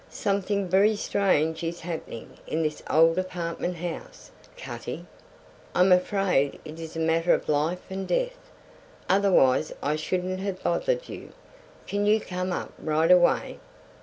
"Something very strange is happening in this old apartment house, Cutty. I'm afraid it is a matter of life and death. Otherwise I shouldn't have bothered you. Can you come up right away?"